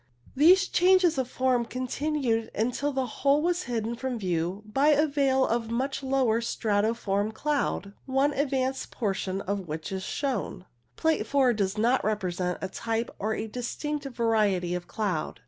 These changes of form continued until the whole was hidden from view by a veil of much lower strati form cloud, one advance portion of which is shown, Plate 4 does not represent a type or a distinct variety of cloud.